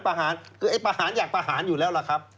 คือไอ้ประหารอยากประหารอยู่แล้วล่ะครับ